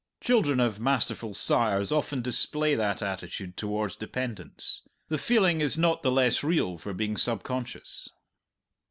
Children of masterful sires often display that attitude towards dependants. The feeling is not the less real for being subconscious.